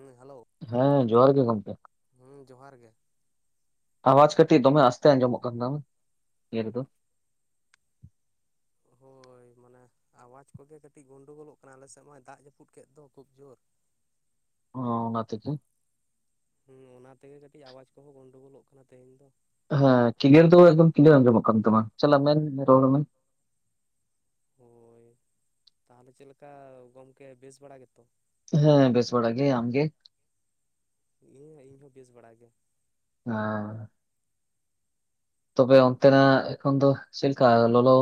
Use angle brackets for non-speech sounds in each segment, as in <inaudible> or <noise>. ᱮᱭ, ᱦᱮᱞᱳ ᱦᱮᱸ ᱡᱚᱦᱟᱨ ᱜᱮ ᱜᱚᱝᱠᱮ᱾ ᱦᱢᱸ ᱡᱚᱦᱟᱨ ᱜᱮ᱾ ᱟᱣᱟᱡ ᱠᱟᱹᱴᱤᱡ ᱫᱚᱢᱮ, ᱟᱥᱛᱮ ᱟᱸᱡᱚᱢᱚᱜ ᱠᱟᱱ ᱛᱟᱢ, ᱤᱭᱟᱹ ᱨᱮᱫᱚ? ᱦᱳᱭ ᱢᱟᱱᱮ ᱟᱣᱟᱡᱽ ᱠᱚᱜᱮ ᱠᱟᱹᱴᱤᱡ ᱜᱳᱱᱰᱚᱜᱳᱞᱚᱜ ᱠᱟᱱᱟ, ᱟᱞᱮᱥᱮᱫ ᱢᱟ ᱫᱟᱜ ᱡᱟᱹᱯᱩᱫ ᱠᱮᱫ ᱫᱚ ᱠᱷᱩᱵ ᱡᱳᱨ᱾ ᱚ, ᱚᱱᱟ ᱛᱮᱜᱮ ᱦᱢᱸ, ᱚᱱᱟ ᱛᱮᱜᱮ ᱠᱟᱹᱴᱤᱡ ᱟᱣᱟᱡ ᱠᱚᱦᱚᱸ, ᱜᱚᱸᱱᱰᱳᱜᱳᱞᱚᱜ ᱠᱟᱱᱟ ᱛᱮᱦᱮᱧ ᱫᱚ᱾ ᱦᱮᱸ ᱠᱤᱞᱤᱨᱟᱭ ᱫᱚ, ᱮᱠᱫᱚᱢ ᱠᱤᱞᱤᱭᱟᱨ ᱟᱸᱡᱚᱢᱚᱜ ᱠᱟᱱ ᱛᱟᱢᱟ ᱪᱟᱞᱟᱜ ᱢᱮᱱ ᱨᱚᱲ ᱢᱮ ᱦᱳᱭ, ᱛᱟᱦᱚᱞᱮ ᱪᱮᱫ ᱞᱮᱠᱟ, ᱜᱚᱢᱠᱮ ᱵᱮᱥ ᱵᱟᱲᱟ ᱜᱮᱛᱚ? ᱦᱮᱸ, ᱵᱮᱥ ᱵᱟᱲᱟ ᱜᱮ, ᱟᱢ ᱜᱮ? ᱤᱭᱟᱹ, ᱤᱧᱦᱚᱸ ᱵᱮᱥ ᱵᱟᱲᱟ ᱜᱮ᱾ ᱦᱟ ᱛᱚᱵᱮ ᱚᱱᱛᱮᱱᱟ ᱮᱠᱷᱚᱱ ᱫᱚ ᱪᱮᱫᱞᱮᱠᱟ ᱞᱚᱞᱚ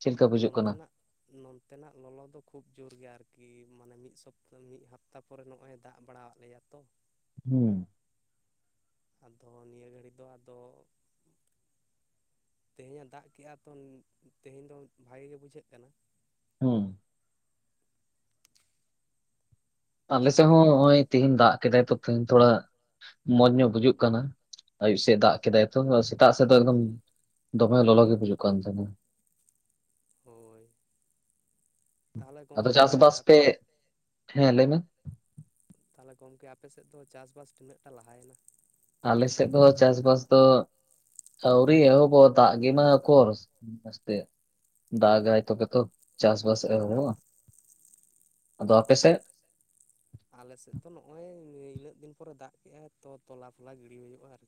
ᱪᱮᱫ ᱞᱮᱠᱟ ᱵᱩᱡᱩᱜ ᱠᱟᱱᱟ ᱱᱚᱱᱛᱮᱱᱟᱜ ᱱᱚᱱᱛᱮᱱᱟᱜ ᱞᱚᱞᱚ ᱫᱚ ᱠᱷᱩᱵᱽ ᱡᱳᱨ ᱜᱮᱭᱟ ᱟᱨᱠᱤ ᱢᱟᱱᱮ ᱢᱤᱫ ᱥᱚᱯᱛᱟ ᱢᱤᱫ ᱦᱟᱯᱛᱟ ᱠᱷᱚᱱ ᱯᱚᱨᱮ ᱱᱚᱜᱼᱚᱭ ᱫᱟᱜ ᱵᱟᱲᱟᱣᱟᱫ ᱞᱮᱭᱟ ᱛᱚ᱾ ᱦᱮᱸ ᱟᱫᱚ ᱱᱤᱭᱟᱹ ᱜᱷᱟᱹᱲᱤ ᱫᱚ ᱟᱫᱚ ᱛᱮᱦᱮᱧᱟᱜ ᱫᱟᱜ ᱠᱮᱫᱮᱜᱼᱟ ᱛᱚ ᱛᱮᱦᱮᱧ ᱫᱚ ᱵᱷᱟᱜᱮ ᱜᱮ ᱵᱩᱡᱷᱟᱹᱜ ᱠᱟᱱᱟ᱾ ᱦᱮᱸ ᱟᱞᱮᱥᱮᱫ ᱟᱫᱚ ᱦᱚᱸ ᱱᱚᱜᱼᱚᱭ ᱛᱤᱦᱮᱧ ᱫᱟᱜ ᱠᱮᱫᱟᱭ ᱛᱚ ᱛᱤᱦᱤᱧ ᱛᱷᱚᱲᱟ ᱢᱚᱸᱡᱽ ᱧᱚᱜ ᱵᱩᱡᱩᱜ ᱠᱟᱱᱟ᱾ ᱟᱭᱩᱵ ᱥᱮᱫ ᱫᱟᱜ ᱠᱮᱫᱟᱭ ᱛᱚ ᱥᱮᱛᱟᱜ ᱥᱮᱫ ᱫᱚ ᱮᱠᱫᱚᱢ ᱫᱚᱢᱮ ᱞᱚᱞᱚ ᱜᱮ ᱵᱩᱡᱩᱜ ᱠᱟᱱ ᱛᱟᱦᱮᱸᱱᱟ ᱾ ᱦᱳᱭ ᱛᱟᱦᱚᱞᱮ ᱟᱫᱚ ᱜᱚᱝᱠᱮ ᱪᱟᱥᱵᱟᱥ ᱯᱮ ᱦᱮᱸ ᱞᱟᱹᱭ ᱢᱮ ᱛᱟᱦᱚᱞᱮ ᱜᱚᱝᱠᱮ ᱟᱯᱮᱥᱮᱫ ᱫᱚ ᱪᱟᱥᱵᱟᱥ ᱛᱤᱱᱟᱹᱜ ᱴᱟ ᱞᱟᱦᱟᱭᱮᱱᱟ᱾ ᱟᱞᱮᱥᱮᱫ ᱫᱚ ᱪᱟᱥᱵᱟᱥ ᱫᱚ ᱟᱹᱣᱨᱤ ᱮᱦᱚᱵᱚᱜ ᱫᱟᱜ ᱜᱮᱢᱟ ᱚᱠᱚᱨ ᱢᱚᱸᱡᱽ ᱫᱟᱜᱟᱭ ᱛᱚᱵᱮ ᱛᱚ ᱪᱟᱥ ᱵᱟᱥ ᱮᱦᱚᱵᱚᱜ ᱟᱫᱚ ᱟᱯᱮ ᱥᱮᱫ ᱟᱞᱮᱥᱮᱫ ᱫᱚ ᱱᱚᱜᱼᱚᱭ ᱤᱱᱟᱹᱜ ᱫᱤᱱ ᱯᱚᱨᱮ ᱫᱟᱜ ᱠᱮᱫᱮᱜᱟᱭ ᱛᱚ ᱛᱚᱞᱟ ᱛᱚᱞᱟ ᱜᱤᱲᱤ ᱦᱩᱭᱩᱜᱼᱟ ᱟᱨᱠᱤ᱾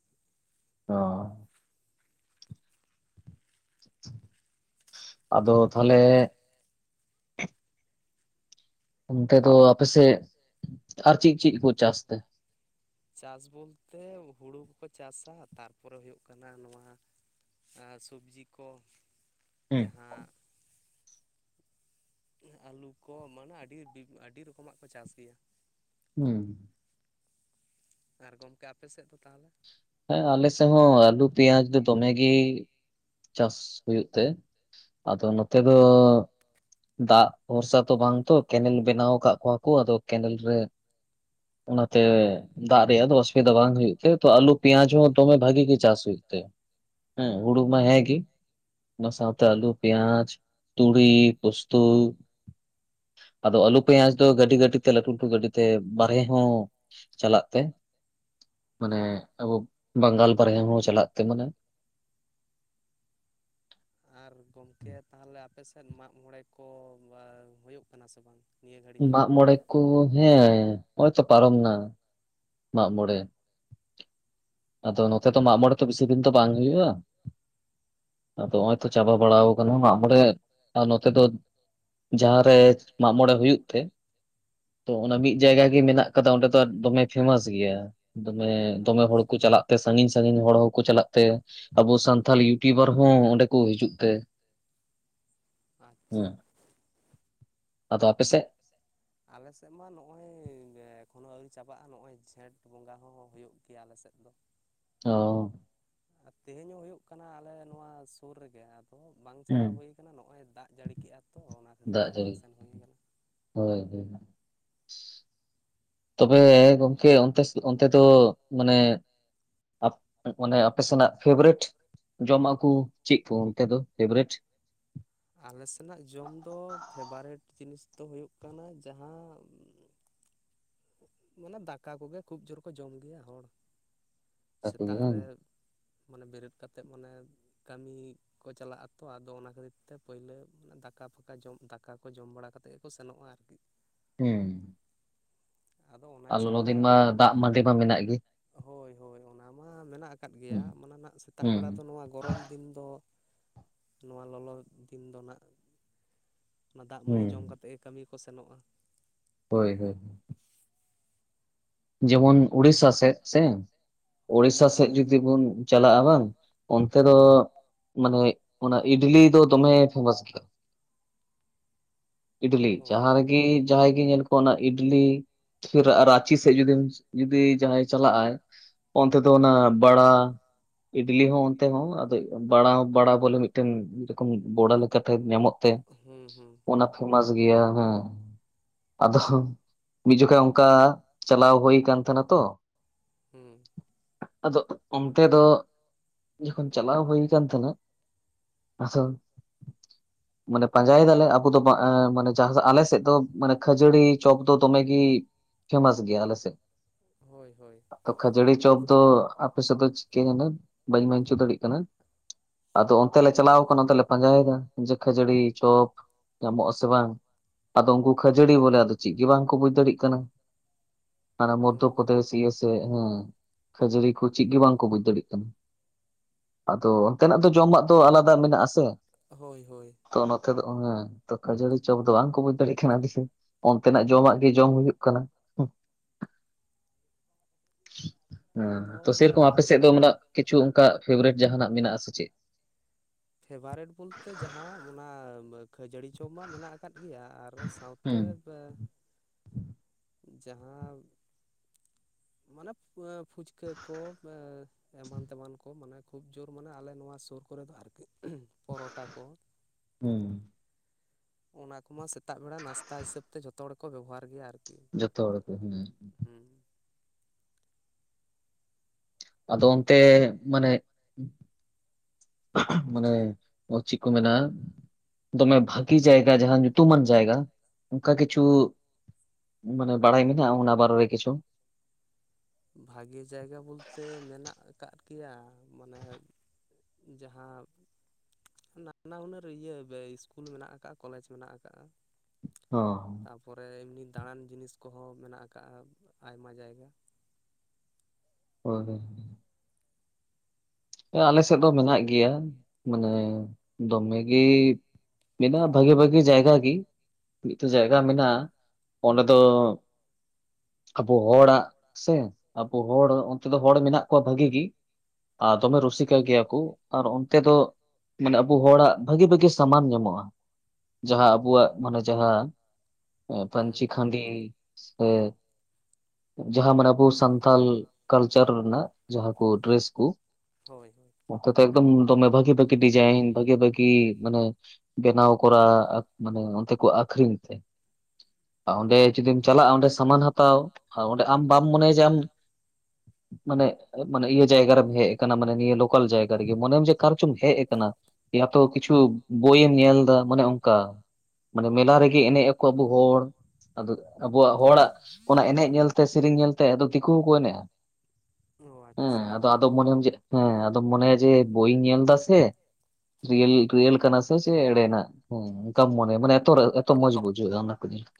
ᱚ ᱟᱫᱚ ᱛᱟᱦᱚᱞᱮ ᱚᱱᱛᱮ ᱫᱚ ᱟᱯᱮᱥᱮᱫ ᱟᱨ ᱪᱮᱫ ᱪᱮᱫ ᱠᱚ ᱪᱟᱥ ᱛᱮ? ᱪᱟᱥ ᱵᱚᱞᱛᱮ ᱦᱩᱲᱩ ᱠᱚᱠᱚ ᱪᱟᱥᱟ ᱛᱟᱨᱯᱚᱨᱮ ᱦᱩᱭᱩᱜ ᱠᱟᱱᱟ ᱱᱚᱣᱟ ᱥᱚᱵᱽᱡᱤ ᱠᱚ ᱦᱩᱸ ᱡᱟᱦᱟᱸ ᱟᱹᱞᱩ ᱠᱚ ᱢᱟᱱᱮ ᱟᱹᱰᱤ ᱟᱹᱰᱤ ᱨᱚᱠᱚᱢᱟᱜ ᱠᱚ ᱪᱟᱥ ᱜᱮᱭᱟ᱾ ᱦᱩᱸ ᱟᱨ ᱜᱚᱢᱠᱮ ᱟᱯᱮᱥᱮᱫ ᱫᱚ ᱛᱟᱦᱚᱞᱮ ᱦᱮᱸ ᱟᱞᱮ ᱥᱮᱫ ᱦᱚᱸ ᱟᱹᱞᱩ ᱯᱮᱸᱭᱟᱡᱽ ᱫᱚ ᱫᱚᱢᱮ ᱜᱮ ᱪᱟᱥ ᱦᱩᱭᱩᱜ ᱛᱮ᱾ ᱟᱫᱚ ᱱᱚᱛᱮ ᱫᱚ ᱫᱟᱜ ᱵᱷᱚᱨᱥᱟ ᱛᱚ ᱵᱟᱝ ᱛᱚ ᱠᱮᱱᱮᱞ ᱵᱮᱱᱟᱣ ᱟᱠᱟᱫ ᱠᱚᱣᱟ ᱠᱚ ᱟᱫᱚ ᱠᱮᱱᱮᱞ ᱨᱮ ᱚᱱᱟᱛᱮ ᱦᱩᱸ ᱫᱟᱜ ᱨᱮᱭᱟᱜ ᱫᱚ ᱚᱥᱩᱵᱤᱫᱷᱟ ᱵᱟᱝ ᱦᱩᱭᱩᱜ ᱛᱮ ᱛᱚ ᱟᱹᱞᱩ ᱯᱭᱟᱡ ᱦᱚᱸ ᱫᱚᱢᱮ ᱵᱷᱟᱹᱜᱤ ᱜᱮ ᱪᱟᱥ ᱦᱩᱭᱩᱜ ᱛᱮ ᱦᱮᱸ ᱦᱩᱲᱩ ᱢᱟ ᱦᱮᱸ ᱜᱤ ᱚᱱᱟ ᱥᱟᱶᱛᱮ ᱟᱹᱞᱩ, ᱯᱮᱭᱟᱡᱽ, ᱛᱩᱲᱤ, ᱯᱩᱥᱛᱩ, ᱟᱫᱚ ᱟᱹᱞᱩ ᱯᱮᱸᱭᱟᱡᱽ ᱫᱚ ᱜᱟᱹᱰᱤ ᱜᱟᱹᱰᱤ ᱞᱟᱹᱴᱩ ᱞᱟᱹᱴᱩ ᱜᱟᱹᱰᱤ ᱛᱮ᱾ ᱵᱟᱨᱦᱮ ᱦᱚᱸ ᱪᱟᱞᱟᱜ ᱛᱮ ᱢᱟᱱᱮ ᱦᱩᱸ ᱟᱵᱚ ᱵᱟᱝᱜᱟᱞ ᱵᱟᱨᱦᱭᱟ ᱦᱚᱸ ᱪᱟᱞᱟᱜ ᱛᱮ ᱢᱟᱱᱮ ᱟᱨ ᱜᱚᱢᱠᱮ ᱛᱟᱦᱚᱞᱮ ᱟᱯᱮ ᱥᱮᱫ ᱢᱟᱜ ᱢᱚᱬᱮ ᱠᱚ ᱦᱩᱭᱩᱜ ᱠᱟᱱᱟ ᱥᱮ ᱵᱟᱝ? ᱱᱤᱭᱟᱹ ᱜᱷᱟᱹᱲᱤ ᱫᱚ? ᱢᱟᱜᱢᱚᱬᱮ ᱠᱚ ᱦᱮᱸ ᱱᱚᱜ ᱚᱭ ᱛᱚ ᱯᱟᱨᱚᱢ ᱱᱟ ᱢᱟᱜᱢᱚᱬᱮ᱾ ᱟᱫᱚ ᱱᱚᱛᱮ ᱫᱚ ᱢᱟᱜ ᱢᱚᱬᱮ ᱛᱚ ᱵᱮᱥᱤ ᱫᱤᱱ ᱫᱚ ᱵᱟᱝ ᱦᱩᱭᱩᱜᱼᱟ᱾ ᱟᱫᱚ <unintelligible> ᱪᱟᱵᱟ ᱵᱟᱲᱟ ᱟᱠᱟᱱᱟ ᱵᱚᱞᱮ ᱱᱚᱛᱮ ᱫᱚ ᱡᱟᱦᱟᱸ ᱨᱮ ᱢᱟᱜᱢᱚᱲᱮ ᱦᱩᱭᱩᱜ ᱛᱮ ᱛᱚ ᱚᱱᱟ ᱢᱤᱫ ᱡᱟᱭᱜᱟ ᱜᱮ ᱢᱮᱱᱟᱜ ᱠᱟᱫᱟ ᱚᱸᱰᱮ ᱫᱚ ᱫᱚᱢᱮ ᱯᱷᱮᱢᱟᱥ ᱜᱮᱭᱟ ᱫᱚᱢᱮ ᱫᱚᱢᱮ ᱦᱚᱲ ᱠᱚ ᱟᱪᱪᱷᱟ ᱪᱟᱞᱟᱜ ᱛᱮ ᱥᱟᱺᱜᱤᱧ ᱥᱟᱺᱜᱤᱧ ᱦᱚᱲ ᱦᱚᱸᱠᱚ ᱪᱟᱞᱟᱜ ᱛᱮ ᱟᱵᱚ ᱥᱟᱱᱛᱟᱲ ᱤᱭᱩᱴᱩᱵᱟᱨ ᱦᱚᱸ ᱚᱸᱰᱮ ᱠᱩ ᱦᱤᱡᱩᱜ ᱛᱮ ᱟᱪᱪᱷᱟ ᱦᱮᱸ ᱟᱫᱚ ᱟᱯᱮ ᱥᱮᱫ ᱟᱞᱮᱥᱮᱫ ᱢᱟ ᱱᱚᱜ-ᱚᱭ ᱮᱠᱷᱚᱱᱚ ᱟᱹᱣᱨᱤ ᱪᱟᱵᱟᱜ-ᱟ ᱱᱚᱜᱼᱚᱭ ᱡᱷᱮᱸᱴ ᱵᱚᱸᱜᱟ ᱦᱚᱸ ᱦᱩᱭᱩᱜ ᱜᱮᱭᱟ ᱟᱞᱮᱥᱮᱫ ᱫᱚ ᱾ ᱚ ᱟᱨ ᱛᱮᱦᱮᱧ ᱦᱚᱸ ᱦᱩᱭᱩᱜ ᱠᱟᱱᱟ ᱟᱞᱮ ᱱᱚᱣᱟ ᱥᱩᱨ ᱨᱮᱜᱮ ᱾ ᱛᱚ ᱵᱟᱝ ᱪᱟᱞᱟᱣ ᱦᱮᱸ ᱦᱩᱭ ᱠᱟᱱᱟ ᱱᱚᱜ-ᱚᱭ ᱫᱟᱜ ᱡᱟᱹᱲᱤ ᱠᱮᱫᱮᱜ-ᱟ ᱛᱚ ᱚᱱᱟ ᱠᱷᱟᱹᱛᱤᱨ ᱫᱟᱜ ᱛᱮ ᱵᱟᱝ ᱡᱟᱹᱲᱤ ᱥᱮᱱ ᱦᱩᱭ ᱟᱠᱟᱱᱟ ᱾ ᱦᱳᱭ ᱛᱚᱵᱮ ᱜᱚᱢᱠᱮ ᱚᱱᱛᱮ ᱫᱚ ᱢᱟᱱᱮ ᱼᱼ ᱟᱯ ᱚᱱᱮ ᱟᱯᱮ ᱥᱮᱱᱟᱜ ᱯᱷᱮᱵᱟᱨᱮᱴ ᱡᱚᱢᱟᱜ ᱠᱩ ᱪᱮᱫ ᱠᱚ ᱚᱱᱛᱮ ᱫᱚ ᱯᱷᱮᱵᱟᱨᱮᱴ ᱟᱞᱮ ᱥᱮᱱᱟᱜ ᱡᱚᱢ ᱫᱚ ᱯᱷᱮᱵᱟᱨᱮᱴ ᱡᱤᱱᱤᱥ ᱫᱚ ᱦᱩᱭᱩᱜ ᱠᱟᱱᱟ ᱡᱟᱦᱟᱸ ᱼᱼ ᱢᱟᱱᱮ ᱫᱟᱠᱟ ᱠᱚᱜᱮ ᱠᱷᱩᱵ ᱡᱳᱨ ᱠᱚ ᱡᱚᱢ ᱜᱮᱭᱟ ᱦᱚᱲ ᱾ ᱛᱟᱠᱚ ᱜᱮ ᱥᱮᱛᱟᱜ ᱵᱟᱝ ᱨᱮ ᱢᱟᱱᱮ ᱵᱮᱨᱮᱫ ᱠᱟᱛᱮᱫ ᱢᱟᱱᱮ ᱠᱟᱹᱢᱤ ᱼᱼ ᱠᱚ ᱪᱟᱞᱟᱜ ᱟᱛᱚ ᱟᱫᱚ ᱚᱱᱟ ᱠᱷᱟᱹᱛᱤᱨ ᱛᱮ ᱯᱟᱹᱭᱞᱟᱹ ᱫᱟᱠᱟ ᱯᱷᱟᱠᱟ ᱡᱚᱢ ᱫᱟᱠᱟ ᱠᱚ ᱡᱚᱢ ᱵᱟᱲᱟ ᱠᱟᱛᱮᱫ ᱜᱮᱠᱚ ᱥᱮᱱᱚᱜ-ᱟ ᱟᱨᱠᱤ ᱾ ᱦᱩᱸ ᱟᱫᱚ ᱚᱱᱟ ᱟ ᱪᱷᱟᱲᱟ ᱞᱚᱞᱚᱫᱤᱱ ᱢᱟ ᱫᱟᱜ ᱢᱟᱹᱰᱤ ᱢᱟ ᱢᱮᱱᱟᱜ ᱜᱮ ᱾ ᱦᱳᱭ ᱦᱳᱭ ᱚᱱᱟ ᱢᱟ ᱢᱮᱱᱟᱜ ᱟᱠᱟᱫ ᱜᱮᱭᱟ ᱦᱩᱸ ᱢᱟᱱᱮ ᱱᱟᱜ ᱥᱮᱛᱟᱜ ᱦᱩᱸ ᱵᱮᱲᱟ ᱫᱚ ᱱᱚᱣᱟ ᱜᱚᱨᱚᱢ ᱫᱤᱱ ᱫᱚ ᱼᱼ <inaudible> ᱱᱚᱣᱟ ᱞᱚᱞᱚ ᱫᱤᱱ ᱫᱚ ᱱᱟᱜ ᱚᱱᱟ ᱫᱟᱜ ᱢᱟᱹᱲᱤ ᱦᱩᱸ ᱡᱚᱢ ᱠᱟᱛᱮ ᱜᱮ ᱠᱟᱹᱢᱤ ᱠᱚ ᱥᱮᱱᱚᱜ-ᱟ ᱾ ᱦᱳᱭ ᱦᱳᱭ ᱡᱮᱢᱚᱱ ᱩᱲᱤᱥᱥᱟ ᱥᱮᱫ ᱥᱮ ᱦᱳᱭ ᱩᱲᱤᱥᱥᱟ ᱦᱳᱭ ᱥᱮᱫ ᱡᱩᱫᱤ ᱵᱚᱱ ᱪᱟᱞᱟᱜ-ᱟ ᱵᱟᱝ ᱼᱼ ᱚᱱᱛᱮ ᱫᱚ ᱢᱟᱱᱮ ᱚᱱᱟ ᱤᱰᱞᱤ ᱫᱚ ᱫᱚᱢᱮ ᱯᱷᱮᱢᱟᱥ ᱜᱮᱭᱟ ᱾ <inaudible> ᱤᱰᱞᱤ ᱚ ᱡᱟᱦᱟᱸ ᱨᱮᱜᱮ ᱦᱩᱸ ᱡᱟᱦᱟᱸᱭ ᱜᱮ ᱧᱮᱞ ᱠᱚ ᱚᱱᱟ ᱤᱰᱞᱤ ᱯᱷᱤᱨ ᱟᱨ ᱨᱟᱪᱤ ᱡᱩᱫᱤ ᱡᱟᱦᱟᱸᱭ ᱪᱟᱞᱟᱜ ᱟᱭ ᱚᱱᱛᱮ ᱫᱚ ᱚᱱᱟ ᱵᱟᱲᱟ ᱤᱰᱞᱤ ᱦᱚᱸ ᱚᱱ ᱼᱼ ᱛᱮᱦᱚᱸ ᱟᱫᱚ ᱵᱟᱲᱟ ᱵᱟᱲᱟ ᱵᱚᱞᱮ ᱢᱤᱫᱴᱮᱱ ᱢᱤᱫ ᱨᱚᱠᱚᱢ ᱵᱚᱲᱟ ᱞᱮᱠᱟ ᱴᱟᱭᱤᱯ ᱧᱟᱢᱚᱜ ᱛᱮ ᱦᱩᱸ ᱦᱩᱸ ᱚᱱᱟ ᱯᱷᱮᱢᱟᱥ ᱜᱮᱭᱟ ᱦᱮᱸ ᱟᱫᱚ ᱢᱤᱫ ᱡᱚᱠᱷᱮᱡᱽ ᱚᱱᱠᱟ ᱪᱟᱞᱟᱣ ᱦᱩᱭ ᱠᱟᱱ ᱛᱟᱦᱮᱱᱟ ᱛᱚ ᱦᱩᱸ ᱟᱫᱚ ᱚᱱᱛᱮ ᱫᱚ ᱡᱚᱠᱷᱚᱱ ᱪᱟᱞᱟᱣ ᱦᱩᱭ ᱠᱟᱱ ᱛᱟᱦᱮᱱᱟ ᱼᱼ ᱟᱥᱚᱞ ᱢᱟᱱᱮ ᱯᱟᱸᱡᱟᱭ ᱫᱟᱞᱮ ᱟᱵᱚ ᱫᱚ ᱵᱟ ᱢᱟᱱᱮ ᱟᱞᱮ ᱥᱮᱫ ᱫᱚ ᱢᱟᱱᱮ ᱠᱷᱟᱹᱡᱟᱹᱲᱤ ᱪᱚᱯ ᱫᱚ ᱫᱚᱢᱮᱜᱤ ᱯᱷᱮᱢᱟᱥ ᱜᱮᱭᱟ ᱟᱞᱮ ᱥᱮᱫ ᱾ ᱦᱳᱭ ᱦᱳᱭ ᱛᱚ ᱠᱷᱟᱹᱡᱟᱲᱤ ᱪᱚᱯ ᱫᱚ ᱟᱯᱮ ᱥᱮᱫ ᱫᱚ ᱪᱤᱠᱟᱹᱭᱮᱱᱟ ᱵᱟ. ᱧ ᱢᱮᱱ ᱪᱚ ᱫᱟᱲᱮᱜ ᱠᱟᱱᱟ ᱾ ᱟᱫᱚ ᱚᱱᱛᱮ ᱞᱮ ᱪᱟᱞᱟᱣ ᱠᱟᱱᱟ ᱚᱱᱛᱮ ᱞᱮ ᱯᱟᱸᱡᱟᱭᱮᱫᱟ ᱾ ᱡᱮ ᱠᱷᱡᱟᱹᱲᱤ ᱪᱚᱯ ᱧᱟᱢᱚᱜ-ᱟ ᱥᱮ ᱵᱟᱝ ᱾ ᱟᱫᱚ ᱩᱱᱠᱩ ᱠᱷᱟᱹᱡᱟᱹᱲᱤ ᱵᱚᱞᱮ ᱟᱫᱚ ᱪᱮᱜ ᱜᱮ ᱵᱟᱝᱠᱚ ᱵᱩᱡ ᱫᱟᱲᱮᱜ ᱠᱟᱱᱟ ᱾ ᱦᱟᱱᱮ ᱚ ᱢᱚᱫᱽᱫᱷᱚᱯᱨᱚᱫᱮᱥ ᱤᱭᱟᱹ ᱥᱮᱫ ᱦᱮᱸ ᱠᱷᱟᱹᱡᱟᱹᱲᱤ ᱠᱚ ᱪᱮᱜ ᱜᱮ ᱵᱟᱝᱠᱚ ᱵᱩᱡᱽ ᱫᱟᱲᱮᱜ ᱠᱟᱱᱟ ᱾ ᱟᱫᱚ ᱚᱱᱛᱮᱱᱟᱜ ᱫᱚ ᱡᱚᱢᱟᱜ ᱫᱚ ᱟᱞᱟᱫᱟ ᱢᱮᱱᱟᱜ ᱟᱥᱮ ᱦᱳᱭ ᱦᱳᱭ ᱼᱼ ᱛᱚ ᱱᱚᱛᱮ ᱫᱚ ᱠᱷᱟᱹᱡᱟᱹᱲᱤ ᱪᱚᱯ ᱫᱚ ᱵᱟᱝᱠᱚ ᱵᱩᱡᱽ ᱫᱟᱲᱮᱜ ᱠᱟᱱᱟ ᱟ. ᱰᱤ ᱜᱮ ᱚᱱᱛᱮᱱᱟᱜ ᱡᱚᱢᱟᱜ ᱜᱮ ᱡᱚᱢ ᱦᱩᱭᱩᱜ ᱠᱟᱱᱟ ᱦᱮᱸ ᱟᱫᱚ ᱛᱚ ᱥᱮᱨᱚᱠᱚᱢ ᱟᱯᱮ ᱥᱮᱫ ᱚᱱᱟ ᱫᱚ ᱢᱟᱱᱮ ᱠᱤᱪᱷᱩ ᱚᱱᱠᱟ ᱯᱷᱮᱵᱟᱨᱮᱴ ᱡᱟᱦᱟᱱᱟᱜ ᱢᱮᱱᱟᱜ-ᱟ ᱥᱮ ᱪᱮᱫ? ᱯᱷᱮᱵᱟᱨᱮᱴ ᱵᱚᱞᱛᱮ ᱡᱟᱦᱟᱸ ᱚᱱᱟ ᱠᱷᱟᱹᱡᱟᱹᱲᱤ ᱪᱚᱯ ᱢᱟ ᱢᱮᱱᱟᱜ ᱟᱠᱟᱫ ᱜᱮᱭᱟ ᱾ ᱟᱨ ᱥᱟᱶᱛᱮ ᱦᱩᱸ ᱵᱮ ᱡᱟᱦᱟᱸ ᱢᱟᱱᱮ ᱯᱷᱩᱪᱠᱟᱹ ᱠᱚ ᱼᱼ ᱮᱢᱟᱱ ᱛᱮᱢᱟᱱ ᱠᱚ ᱢᱟᱱᱮ ᱠᱷᱩᱵᱽ ᱡᱳᱨ ᱢᱟᱱᱮ ᱟᱞᱮ ᱱᱚᱣᱟ ᱥᱩᱨ ᱠᱚᱨᱮ ᱫᱚ ᱟᱨᱠᱤ ᱩᱜ ᱯᱚᱨᱚᱴᱟ ᱠᱚ ᱼᱼ ᱩᱸ ᱚᱱᱟ ᱠᱚᱢᱟ ᱥᱮᱛᱟᱜ ᱵᱮᱲᱟ ᱱᱟᱥᱛᱟ ᱦᱤᱥᱟᱹᱵ ᱛᱮ ᱡᱷᱚᱛᱚ ᱦᱚᱲ ᱜᱮᱠᱚ ᱵᱮᱵᱚᱦᱟᱨ ᱜᱮᱭᱟ ᱟᱨᱠᱤ ᱾ ᱡᱚᱛᱚ ᱦᱚᱲ ᱜᱮ ᱦᱩᱸ ᱦᱩᱸ ᱟᱫᱚ ᱚᱱᱛᱮ ᱢᱟᱱᱮ ᱼᱼ ᱢᱟᱱᱮ ᱚ ᱪᱮᱫ ᱠᱚ ᱢᱮᱱᱟ ᱫᱚᱢᱮ ᱵᱷᱟᱜᱮ ᱡᱟᱭᱜᱟ ᱡᱟᱸᱦᱟ ᱧᱩᱛᱩᱢᱟᱱ ᱡᱟᱭᱜᱟ ᱚᱱᱠᱟ ᱠᱤᱪᱷᱩ, ᱢᱟᱱᱮ ᱵᱟᱲᱟᱭ ᱢᱮᱱᱟᱜᱼᱟ ᱚᱱᱟ ᱵᱟᱨᱮ ᱨᱮ ᱠᱤᱪᱷᱩ? ᱵᱷᱟᱜᱮ ᱡᱟᱭᱜᱟ ᱵᱚᱞᱛᱮ ᱢᱮᱱᱟᱜ ᱟᱠᱟᱫ ᱜᱮᱭᱟ ᱢᱟᱱᱮ ᱡᱟᱦᱟᱸ ᱱᱟᱱᱟ ᱦᱩᱱᱟᱹᱨ ᱤᱭᱟᱹ ᱤᱥᱠᱩᱞ ᱢᱮᱱᱟᱜ ᱟᱠᱟᱜᱼᱟ ᱠᱚᱞᱮᱡᱽ ᱢᱮᱱᱟᱜ ᱟᱠᱟᱜ-ᱟ᱾ ᱦᱚ ᱛᱟᱨᱯᱚᱨᱮ ᱮᱢᱱᱤ ᱫᱟᱬᱟᱱ ᱡᱤᱱᱤᱥ ᱠᱚᱦᱚᱸ ᱢᱮᱱᱟᱜ ᱟᱠᱟᱜ-ᱟ ᱟᱭᱢᱟ ᱡᱟᱭᱜᱟ᱾ ᱦᱳᱭ ᱦᱳᱭ ᱟᱞᱮ ᱟᱫᱚ ᱥᱮᱫ ᱫᱚ ᱢᱮᱱᱟᱜ ᱜᱮᱭᱟ᱾ ᱢᱟᱱᱮ ᱫᱚᱢᱮ ᱜᱮ ᱢᱮᱱᱟᱜ-ᱟ ᱵᱷᱟᱹᱜᱤ ᱵᱷᱟᱹᱜᱤ ᱡᱟᱭᱜᱟ ᱜᱤ᱾ ᱢᱤᱫᱴᱮᱱ ᱡᱟᱭᱜᱟ ᱢᱮᱱᱟᱜᱼᱟ᱾ ᱚᱸᱰᱮ ᱫᱚ ᱟᱵᱚ ᱦᱚᱲᱟᱜ ᱥᱮ ᱟᱵᱚ ᱦᱚᱲ ᱚᱱᱛᱮ ᱫᱚ ᱦᱚᱲ ᱢᱮᱱᱟᱜ ᱠᱚᱣᱟ ᱵᱷᱟᱹᱜᱤ ᱜᱤ᱾ ᱟᱨ ᱫᱚᱢᱮ ᱨᱩᱥᱤᱠᱟ ᱜᱤᱭᱟ ᱠᱩ ᱟᱨ ᱚᱱᱛᱮ ᱫᱚ᱾ ᱢᱟᱱᱮ ᱟᱵᱩ ᱦᱚᱲᱟᱜ ᱵᱷᱟᱹᱜᱤ ᱵᱷᱟᱹᱜᱤ ᱥᱟᱢᱟᱱ ᱧᱟᱢᱚᱜᱼᱟ᱾ ᱡᱟᱦᱟᱸ ᱟᱵᱚᱣᱟᱜ ᱢᱟᱱᱮ ᱡᱟᱦᱟᱸ ᱦᱩᱸ ᱯᱟᱹᱧᱪᱤ ᱠᱷᱟᱸᱰᱤ ᱥᱮ ᱡᱟᱦᱟᱸ ᱢᱟᱱᱮ ᱟᱵᱩ ᱥᱟᱱᱛᱼᱼ ᱛᱟᱞ ᱠᱟᱞᱪᱟᱨ ᱨᱮᱱᱟᱜ ᱡᱟᱦᱟᱸ ᱠᱚ ᱰᱨᱮᱥ ᱦᱳᱭ ᱦᱳᱭ ᱚᱱᱛᱚ ᱮᱠᱫᱚᱢ ᱫᱚᱢᱮ ᱵᱷᱟᱹᱜᱤ ᱵᱷᱟᱹᱜᱤ ᱰᱤᱡᱟᱭᱤᱱ ᱵᱷᱟᱹᱜᱤ ᱵᱷᱟᱹᱜᱤ ᱢᱟᱱᱮ ᱵᱮᱱᱟᱣ ᱠᱚᱨᱟ ᱢᱟᱱᱮ ᱚᱱᱛᱮ ᱠᱚ ᱟᱹᱠᱷᱨᱤᱧ ᱛᱮ᱾ ᱚᱸᱰᱮ ᱡᱩᱫᱤᱢ ᱪᱟᱞᱟᱜᱼᱟ ᱚᱸᱰᱮ ᱥᱟᱢᱟᱱ ᱦᱟᱛᱟᱣ ᱚᱸᱰᱮ ᱟᱢ ᱵᱟᱢ ᱢᱚᱱᱮᱭᱟ ᱡᱮ ᱟᱢ ᱢᱟᱱᱮ ᱢᱟᱱᱮ ᱤᱭᱟᱹ ᱡᱟᱭᱜᱟ ᱨᱮ ᱦᱮᱡ <unintelligible> ᱢᱟᱱᱮ ᱱᱤᱭᱟᱹ ᱞᱳᱠᱟᱞ ᱡᱟᱭᱜᱟ ᱨᱮᱜᱮ ᱢᱚᱱᱮᱢ ᱡᱮ ᱚᱠᱟ ᱨᱮᱪᱚᱢ ᱦᱮᱡ ᱟᱠᱟᱱᱟ ᱤᱭᱛᱩ ᱠᱤᱪᱷᱩ ᱵᱳᱭᱮᱢ ᱧᱮᱞ ᱮᱫᱟ ᱢᱟᱱᱮ ᱚᱱᱠᱟ ᱢᱟᱱᱮ ᱢᱮᱞᱟ ᱨᱮᱜᱮ ᱮᱱᱮᱡ ᱟᱠᱚ ᱟᱵᱚ ᱦᱚᱲ ᱟᱫᱚ ᱟᱵᱚᱣᱟᱜ ᱦᱚᱲᱟᱜ ᱚᱱᱟ ᱮᱱᱮᱡ ᱧᱮᱞ ᱛᱮ ᱥᱮᱨᱮᱧ ᱧᱮᱞᱛᱮ ᱫᱤᱠᱩ ᱦᱚᱸᱠᱚ ᱮᱱᱮᱡᱼᱟ᱾ ᱚ ᱦᱮᱸ ᱟᱪᱪᱷᱟ ᱟᱫᱚ ᱟᱫᱚ ᱢᱚᱱᱮᱢ <unintelligible> ᱦᱮᱸ ᱟᱫᱚᱢ ᱢᱚᱱᱮᱭᱟ ᱡᱮ ᱵᱳᱭ ᱤᱧ ᱧᱮᱞ ᱫᱟ ᱥᱮ ᱨᱤᱭᱮᱞ ᱨᱤᱭᱮᱞ ᱠᱟᱱᱟ ᱥᱮ ᱪᱮ ᱮᱲᱮᱱᱟᱜ ᱦᱮᱸ ᱚᱱᱠᱟᱢ ᱢᱚᱱᱮ ᱢᱟᱱᱮ ᱮᱛᱚ ᱢᱚᱸᱡᱽ ᱵᱩᱡᱷᱟᱹᱜᱼᱟ᱾ ᱚᱱᱟ ᱠᱚ ᱡᱤᱱᱤᱥ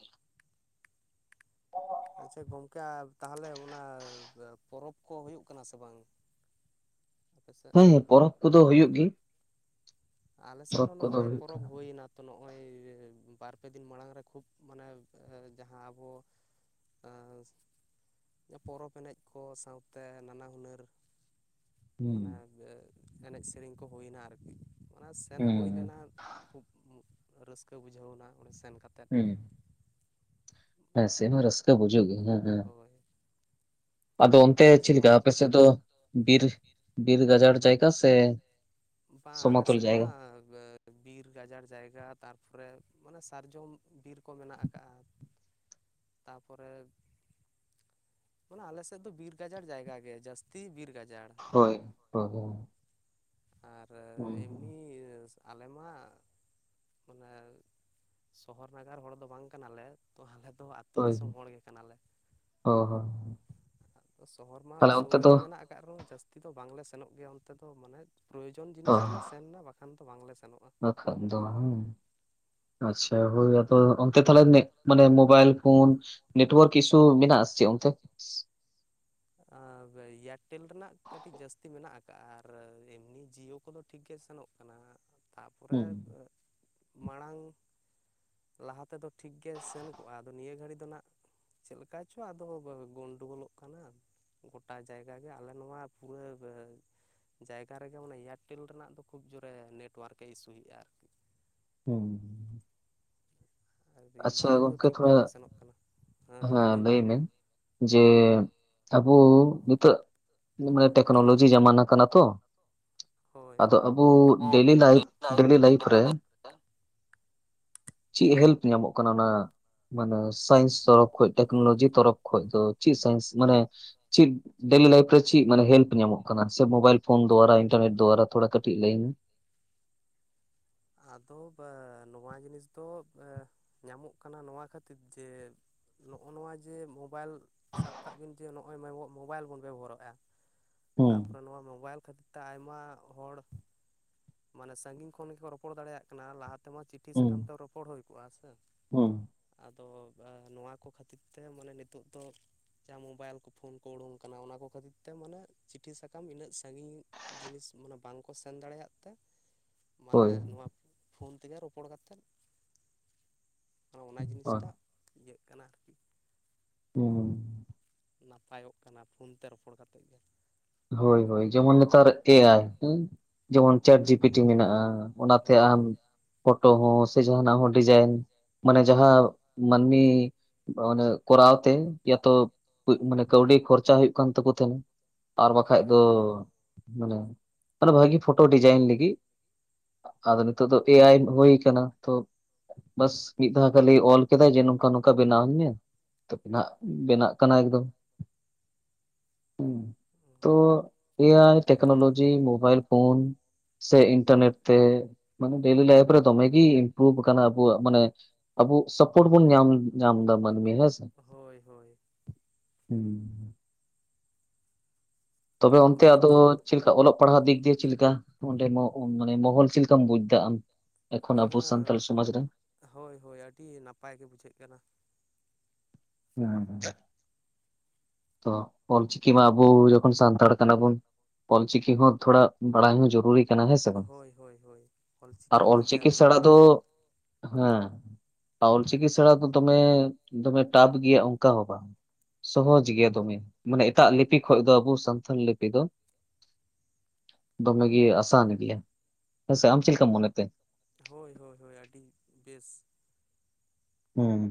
ᱟᱪᱪᱷᱟ ᱜᱚᱝᱠᱮ ᱛᱟᱦᱚᱞᱮ ᱚᱱᱟ ᱯᱚᱨᱚᱵ ᱠᱚ ᱦᱩᱭᱩᱜ ᱠᱟᱱᱟ ᱥᱮ ᱵᱟᱝ? ᱟᱯᱮᱥᱮᱫ ᱦᱮᱸ ᱯᱚᱨᱚᱵᱽ ᱠᱚᱫᱚ ᱦᱩᱭᱩᱜ ᱜᱮ ᱟᱞᱮᱥᱮᱫ ᱯᱚᱨᱚᱵᱽ ᱦᱚᱸ ᱠᱚᱫᱚ ᱱᱚᱜᱼᱚᱭ ᱦᱩᱭᱩᱜ ᱯᱚᱨᱚᱵᱽ ᱠᱟᱱᱟ ᱦᱩᱭᱮᱱᱟ᱾ ᱛᱚ ᱱᱚᱜᱼᱚᱭ ᱵᱟᱨᱯᱮ ᱫᱤᱱ ᱢᱟᱲᱟᱝ ᱨᱮ ᱠᱷᱩᱵᱽ ᱢᱟᱱᱮ ᱡᱟᱦᱟᱸ ᱟᱵᱚ <unintelligible> ᱯᱚᱨᱚᱵᱽ ᱮᱱᱮᱡ ᱠᱚ ᱥᱟᱶᱛᱮ ᱱᱟᱱᱟ ᱦᱩᱱᱟᱹᱨ ᱦᱩᱸ ᱢᱟᱱᱮ ᱮᱱᱮᱡ ᱥᱮᱨᱮᱧ ᱠᱚ ᱦᱩᱭᱮᱱᱟ ᱟᱨᱠᱤ᱾ ᱚᱱᱟ ᱥᱮᱱ ᱦᱩᱭ ᱦᱩᱸ ᱞᱮᱱᱟ ᱠᱷᱩᱵᱽ ᱨᱟᱹᱥᱠᱟᱹ ᱵᱩᱡᱷᱟᱹᱣ ᱮᱱᱟ ᱚᱸᱰᱮ ᱥᱮᱱ ᱠᱟᱛᱮ ᱦᱩᱸ ᱦᱮᱸ ᱥᱮᱱ ᱦᱚᱸ ᱨᱟᱹᱥᱠᱟᱹ ᱵᱩᱡᱷᱩᱜ ᱜᱮ ᱦᱮᱸ ᱦᱮᱸ ᱦᱳᱭ ᱟᱫᱚ ᱚᱱᱛᱮ ᱪᱮᱫ ᱡᱮᱢᱚᱱ ᱞᱮᱠᱟ ᱟᱯᱮ ᱥᱮᱫ ᱫᱚ ᱵᱤᱨ ᱵᱤᱨ ᱜᱟᱡᱟᱲ ᱡᱟᱭᱜᱟ ᱥᱮ ᱵᱟᱝ ᱟᱞᱮ ᱥᱚᱢᱚᱛᱚᱞ ᱥᱮᱫ ᱢᱟ᱾ ᱡᱟᱭᱜᱟ? ᱵᱤᱨ ᱜᱟᱡᱟᱲ ᱡᱟᱭᱜᱟ ᱛᱟᱨᱯᱚᱨᱮ ᱢᱟᱱᱮ ᱥᱟᱨᱡᱚᱢ ᱵᱤᱨ ᱠᱚ ᱢᱮᱱᱟᱜ ᱟᱠᱟᱜᱼᱟ᱾ ᱛᱟᱯᱚᱨᱮ, ᱢᱟᱱᱮ ᱟᱞᱮ <unintelligible> <unintelligible> ᱫᱚ ᱵᱤᱨ ᱜᱟᱡᱟᱲ ᱡᱟᱭᱜᱟ ᱜᱮ ᱡᱟᱹᱥᱛᱤ ᱵᱤᱨ ᱜᱟᱡᱟᱲ᱾ ᱦᱳᱭ ᱦᱳᱭ ᱟᱨ ᱮᱢᱱᱤ ᱟᱞᱮ ᱢᱟ᱾ ᱢᱟᱱᱮ ᱥᱚᱦᱚᱨ ᱱᱟᱜᱟᱨ ᱦᱚᱲ ᱫᱚ ᱵᱟᱝ ᱠᱟᱱᱟᱞᱮ ᱛᱚ ᱟᱞᱮ ᱫᱚ ᱟᱛ ᱟᱹᱛᱩ ᱦᱳᱭ ᱫᱤᱥᱚᱢ ᱦᱚᱲ ᱜᱮ ᱠᱟᱱᱟᱞᱮ᱾ ᱦᱳᱭ ᱦᱳᱭ ᱟᱫᱚ ᱥᱚᱦᱚᱨ ᱢᱟ ᱛᱟᱦᱞᱮ ᱥᱩᱨ ᱚᱱᱛᱮ ᱫᱚ ᱨᱮᱜᱮ ᱢᱮᱱᱟᱜ <unintelligible> ᱨᱮᱦᱚᱸ ᱡᱟᱹᱥᱛᱤ ᱫᱚ ᱵᱟᱝ ᱞᱮ ᱥᱮᱱᱚᱜ ᱜᱮᱭᱟ ᱚᱱᱛᱮ ᱫᱚ ᱢᱟᱱᱮ ᱯᱨᱭᱳᱡᱚᱱ ᱡᱤᱱᱤᱥ ᱨᱮᱞᱮ ᱥᱮ ᱥᱮᱱ ᱮᱱᱟ ᱵᱟᱠᱷᱟᱱ ᱫᱚ ᱵᱟᱝᱞᱮ ᱥᱮᱱᱚᱜᱼᱟ᱾ ᱵᱟᱠᱷᱟᱡ ᱫᱚᱦᱚᱸ ᱟᱪᱪᱷᱟ ᱦᱳᱭ ᱟᱫᱚ <unintelligible> ᱛᱟᱦᱚᱞᱮ ᱢᱟᱱᱮ ᱢᱳᱵᱟᱭᱤᱞ ᱯᱷᱳᱱ ᱱᱮᱴᱣᱟᱨᱠ ᱤᱥᱥᱩ ᱢᱮᱱᱟᱜ ᱟᱥᱮ ᱪᱮ ᱚᱱᱛᱮ ᱟ ᱮᱭᱟᱨᱴᱮᱞ ᱨᱮᱱᱟᱜ ᱠᱟᱹᱴᱤᱡ ᱡᱟᱹᱥᱛᱤ ᱢᱮᱱᱟᱜ ᱟᱠᱟᱜ-ᱟ ᱟᱨ ᱮᱢᱱᱤ ᱡᱤᱭᱳ ᱠᱚᱫᱚ ᱴᱷᱤᱠᱜᱮ ᱥᱮᱱᱚᱜ ᱠᱟᱱᱟ ᱛᱟᱯᱚᱨᱮ ᱦᱩᱸ ᱢᱟᱲᱟᱝ ᱞᱟᱦᱟ ᱛᱮᱫᱚ ᱴᱷᱤᱠ ᱜᱮ ᱥᱮᱱ ᱠᱚᱜ-ᱟ᱾ ᱟᱫᱚ ᱱᱤᱭᱟᱹ ᱜᱷᱟᱹᱲᱤᱡ ᱫᱚ ᱱᱟᱜ ᱪᱮᱫ ᱞᱮᱠᱟ ᱪᱚ ᱟᱫᱚ ᱜᱳᱱᱰᱩᱜᱚᱞᱚᱜ ᱠᱟᱱᱟ᱾ ᱜᱚᱴᱟ ᱡᱟᱭᱜᱟ ᱜᱮ ᱟᱞᱮ ᱱᱚᱣᱟ ᱯᱩᱨᱟᱹᱣ ᱜᱮ ᱡᱟᱭᱜᱟ ᱨᱮᱜᱮ ᱢᱟᱱᱮ ᱮᱭᱟᱨᱴᱮᱞ ᱨᱮᱱᱟᱜ ᱫᱚ ᱠᱷᱩᱵ ᱡᱳᱨᱮ ᱱᱮᱴᱚᱣᱟᱨᱠ ᱮ ᱤᱥᱩᱭᱮᱜ ᱟ ᱟᱨᱠᱤ ᱦᱩᱸ ᱟᱨ ᱟᱪᱪᱷᱟ ᱡᱤᱭᱳ ᱫᱚ ᱜᱚᱝᱠᱮ ᱴᱷᱤᱠ ᱛᱷᱚᱲᱟ ᱴᱷᱟᱠ ᱜᱮ ᱥᱮᱱᱚᱜ ᱠᱟᱱᱟ ᱦᱮᱸ ᱞᱟᱹᱭ ᱢᱮ ᱡᱮ ᱟᱵᱚ ᱱᱤᱛᱟᱹᱜ ᱢᱟᱱᱮ ᱴᱮᱠᱱᱳᱞᱚᱡᱤ ᱡᱟᱢᱟᱱᱟ ᱠᱟᱱᱟ ᱛᱚ ᱦᱳᱭ ᱟᱫᱚ ᱟᱵᱚ ᱰᱮᱞᱤ ᱞᱟᱭᱤᱵ ᱰᱮᱞᱤ ᱞᱟᱭᱤᱯ ᱨᱮ ᱪᱮᱫ ᱦᱮᱞᱯ ᱧᱟᱢᱚᱜ ᱠᱟᱱᱟ ᱚᱱᱟ ᱢᱟᱱᱮ ᱥᱟᱭᱮᱱᱥ ᱛᱚᱨᱚᱯ ᱠᱷᱚᱡ ᱴᱮᱠᱱᱳᱞᱚᱡᱤ ᱛᱚᱨᱚᱯ ᱠᱷᱚᱡ ᱫᱚ ᱪᱮᱫ ᱥᱟᱭᱮᱱᱥ ᱢᱟᱱᱮ ᱪᱮᱫ ᱰᱮᱞᱤ ᱞᱟᱭᱤᱯ ᱨᱮ ᱪᱮᱫ ᱢᱮᱱᱮ ᱦᱮᱞᱯ ᱧᱟᱢᱚᱜ ᱠᱟᱱᱟ ᱥᱮ ᱢᱳᱵᱟᱭᱤᱞ ᱯᱷᱳᱱ ᱫᱳᱣᱟᱨᱟ ᱤᱱᱴᱟᱨᱱᱮᱴ ᱫᱳᱣᱟᱨᱟ ᱛᱷᱚᱲᱟ ᱠᱟᱹᱴᱤᱡ ᱞᱟᱹᱭ ᱤᱧ ᱢᱮ ᱟᱫᱚ ᱱᱚᱣᱟ ᱡᱤᱱᱤᱥ ᱫᱚ ᱧᱟᱢᱚᱜ ᱠᱟᱱᱟ ᱱᱚᱣᱟ ᱠᱷᱟᱹᱛᱤᱨ ᱛᱮ ᱱᱚᱜ-ᱚ ᱱᱚᱣᱟ ᱡᱮ ᱢᱚᱵᱟᱭᱤᱞ ᱥᱟᱵ ᱠᱟᱜ ᱵᱤᱱ ᱡᱮ ᱱᱚᱜ-ᱚᱭ ᱢᱳᱵᱟᱭᱤᱞ ᱵᱚᱱ ᱵᱮᱵᱚᱦᱟᱨᱚᱜ-ᱟ ᱦᱩᱸ ᱛᱟᱯᱚᱨᱮ ᱱᱚᱣᱟ ᱢᱳᱵᱟᱭᱤᱞ ᱠᱷᱟᱹᱛᱤᱨ ᱛᱮ ᱟᱭᱢᱟ ᱦᱚᱲ ᱢᱟᱱᱮ ᱥᱟᱸᱜᱤᱧ ᱠᱷᱚᱱ ᱜᱮᱠᱚ ᱨᱚᱯᱚᱲ ᱫᱟᱲᱮᱭᱟᱜ ᱠᱟᱱᱟ ᱞᱟᱦᱟ ᱛᱮᱢᱟ ᱪᱤᱴᱷᱤ ᱦᱩᱸ ᱥᱟᱠᱟᱢ ᱛᱮ ᱨᱚᱯᱚᱲ ᱦᱩᱭ ᱠᱚᱜ-ᱟ ᱥᱮ ᱦᱩᱸ ᱟᱫᱚ ᱱᱚᱣᱟ ᱠᱚ ᱠᱷᱟᱹᱛᱤᱨ ᱛᱮ ᱢᱟᱱᱮ ᱱᱤᱛᱚᱜ ᱫᱚ ᱡᱟᱦᱟᱸ ᱢᱳᱵᱟᱭᱤᱞ ᱠᱚ ᱯᱷᱳᱱ ᱠᱚ ᱩᱰᱩᱝ ᱠᱟᱱᱟ ᱚᱱᱟ ᱠᱚ ᱠᱷᱟᱹᱛᱤᱨ ᱛᱮ ᱢᱟᱱᱮ ᱪᱤᱴᱷᱤ ᱥᱟᱠᱟᱢ ᱩᱱᱟᱹᱜ ᱥᱟᱺᱜᱤᱧ ᱡᱤᱱᱤᱥ ᱢᱟᱱᱮ ᱵᱟᱝᱠᱚ ᱥᱮᱱ ᱫᱟᱲᱮᱭᱟᱜ ᱛᱮ ᱢᱟᱱᱮ ᱦᱳᱭ ᱱᱚᱣᱟ ᱯᱷᱳᱱ ᱛᱮᱜᱮ ᱨᱚᱯᱚᱲ ᱠᱟᱛᱮᱫ ᱚᱱᱟ ᱦᱳᱭ ᱡᱤᱱᱤᱥᱴᱟᱜ ᱤᱭᱟᱹᱜ ᱠᱟᱱᱟ ᱟᱨᱠᱤ᱾ ᱦᱩᱸ ᱱᱟᱯᱟᱭᱚᱜ ᱠᱟᱱᱟ ᱯᱷᱳᱱ ᱛᱮ ᱨᱚᱯᱚᱲ ᱠᱟᱛᱮᱜ ᱜᱮ ᱦᱳ ᱦᱳᱭ ᱡᱮᱢᱚᱱ ᱱᱮᱛᱟᱨ ᱮ ᱟᱭ ᱡᱮᱢᱚᱱ ᱪᱮᱴ ᱡᱤᱯᱤᱴᱤ ᱢᱮᱱᱟᱜ-ᱟ ᱚᱱᱟᱛᱮ ᱦᱳᱭ ᱟᱢ ᱯᱷᱳᱴᱳ ᱦᱚᱸ ᱥᱮ ᱡᱟᱦᱟᱱᱟᱜ ᱦᱚᱸ ᱰᱤᱡᱟᱭᱤᱱ ᱢᱟᱱᱮ ᱡᱟᱦᱟᱸ ᱢᱟᱹᱱᱢᱤ ᱵᱟ ᱚᱱᱮ ᱠᱚᱨᱟᱣ ᱛᱮ ᱭᱟᱛᱚ ᱠᱩᱡ ᱢᱟᱱᱮ ᱠᱟᱹᱣᱰᱤ ᱠᱷᱚᱨᱪᱟ ᱦᱩᱭᱩᱜ ᱠᱟᱱ ᱛᱟᱠᱚ ᱛᱟᱦᱮᱸᱜ ᱟᱨ ᱵᱟᱠᱷᱟᱡ ᱦᱳᱭ ᱦᱳᱭ ᱫᱚ ᱢᱟᱱᱮ ᱢᱮᱱᱮ ᱵᱷᱟᱹᱜᱤ ᱯᱷᱳᱴᱳ ᱰᱤᱡᱟᱭᱤᱱ ᱞᱟᱹᱜᱤᱜ ᱟᱫᱚ ᱱᱤᱛᱚᱜ ᱫᱚ ᱮ ᱟᱭ ᱦᱳᱭ ᱠᱟᱱᱟ ᱛᱚ ᱵᱟᱥ ᱢᱤᱫ ᱫᱷᱟᱣ ᱠᱷᱟᱞᱤ ᱚᱞ ᱠᱮᱫᱟᱭ ᱡᱮ ᱱᱚᱝᱠᱟ ᱱᱚᱝᱠᱟ ᱵᱮᱱᱟᱣ ᱟᱹᱧ ᱢᱮ ᱛᱷᱳᱯ ᱱᱟᱜ ᱵᱮᱱᱟᱜ ᱠᱟᱱᱟ ᱮᱠᱫᱚᱢ ᱦᱩᱸ ᱛᱳ ᱮ ᱟᱭ ᱴᱮᱠᱱᱳᱞᱚᱡᱤ ᱢᱳᱵᱟᱭᱤᱞ ᱯᱷᱳᱱ ᱥᱮ ᱤᱱᱴᱟᱨᱱᱮᱴ ᱛᱮ ᱢᱟᱱᱮ ᱰᱮᱞᱤ ᱞᱟᱭᱤᱵ ᱨᱮ ᱫᱚᱢᱮᱜᱤ ᱤᱢᱯᱨᱩᱵᱷ ᱟᱠᱟᱱᱟ ᱟᱵᱚᱣᱟᱜ ᱢᱟᱱᱮ ᱟᱵᱚ ᱥᱟᱯᱳᱨᱴ ᱵᱩᱱ ᱧᱟᱢ ᱧᱟᱢ ᱫᱟ ᱢᱟᱹᱱᱢᱤ ᱦᱮᱸᱥᱮ ᱦᱳᱭ ᱦᱳᱭ ᱦᱩᱸ ᱛᱚᱵᱮ ᱚᱱᱛᱮ ᱛᱟᱯᱚᱨᱮ ᱟᱫᱚ ᱱᱤᱛᱚᱜ ᱪᱮᱫᱞᱮᱠᱟ ᱚᱞᱚᱜ ᱯᱟᱲᱦᱟᱣ ᱫᱤᱠ ᱫᱤᱭᱮ ᱪᱮᱫ ᱞᱮᱠᱟ ᱚᱸᱰᱮ ᱢᱚ ᱚ ᱢᱚᱦᱚᱞ ᱪᱮᱫ ᱞᱮᱠᱟᱢ ᱵᱩᱡ ᱫᱟ ᱟᱢ? ᱮᱠᱷᱚᱱ ᱟᱵᱚ ᱥᱟᱱᱛᱟᱲ ᱦᱮᱸ ᱥᱚᱢᱟᱡᱽ ᱨᱮ ᱦᱮᱸ ᱦᱳᱭ ᱦᱳᱭ ᱟᱹᱰᱤ ᱱᱟᱯᱟᱭ ᱜᱮ ᱵᱩᱡᱷᱟᱹᱜ ᱠᱟᱱᱟ᱾ <unintelligible> ᱛᱚ ᱚᱞᱪᱤᱠᱤ ᱢᱟ ᱟᱵᱚ ᱡᱚᱠᱷᱚᱱ ᱥᱟᱱᱛᱟᱲ ᱠᱟᱱᱟ ᱵᱚᱱ ᱚᱞᱪᱤᱤᱠᱤ ᱦᱚᱸ ᱛᱷᱚᱲᱟ ᱵᱟᱲᱟᱭ ᱦᱚᱸ ᱡᱩᱨᱩᱨᱤ ᱠᱟᱱᱟ ᱦᱮᱸ ᱥᱮ ᱵᱟᱝ ᱦᱳᱭ ᱦᱳᱭ ᱦᱳᱭ ᱚᱞᱪᱤᱠᱤ ᱟᱨ ᱢᱟ ᱚᱞ ᱪᱤᱠᱤ ᱡᱟᱹᱨᱩᱲ ᱥᱮᱲᱟ ᱵᱟᱲᱟᱭ ᱫᱚ ᱫᱚᱨᱠᱟᱨ ᱦᱮᱸ ᱟ ᱚᱞ ᱪᱤᱠᱤ ᱥᱮᱲᱟ ᱫᱚ ᱫᱚᱢᱮ ᱫᱚᱢᱮ ᱴᱟᱯ ᱜᱮᱭᱟ ᱚᱝᱠᱟ ᱦᱚᱸ ᱵᱟᱝ ᱥᱚᱦᱚ ᱡᱮ ᱜᱮᱭᱟ ᱫᱚᱢᱮ ᱢᱟᱱᱮ ᱮᱴᱟᱜ ᱞᱤᱯᱤ ᱠᱷᱚᱱ ᱫᱚ ᱟᱵᱚ ᱥᱟᱱᱛᱟᱞ ᱞᱤᱯᱤ ᱫᱚ ᱫᱚ ᱢᱮᱜᱮ ᱟᱥᱟᱱ ᱤᱫᱤᱜ ᱟ ᱦᱮᱸᱥᱮ ᱟᱢ ᱪᱮᱫ ᱞᱮᱠᱟᱢ ᱢᱚᱱᱮ ᱛᱮ ᱦᱳᱭ ᱦᱳᱭ ᱦᱳᱭ ᱟᱹᱰᱤ ᱵᱮᱥ ᱦᱩᱸ